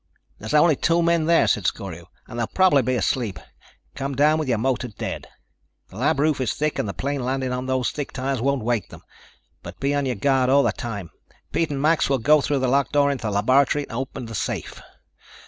"There's only two men there," said Scorio, "and they'll probably be asleep. Come down with your motor dead. The lab roof is thick and the plane landing on those thick tires won't wake them. But be on your guard all the time. Pete and Max will go through the lockdoor into the laboratory and open the safe.